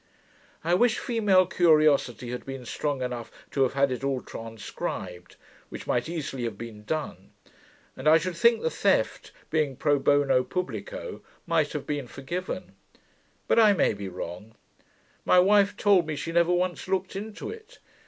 I wish female curiosity had been strong enough to have had it all transcribed, which might easily have been done; and I should think the theft, being pro bono publico, might have been forgiven. But I may be wrong. My wife told me she never once looked into it.